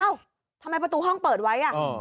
อ้าวทำไมประตูห้องเปิดไว้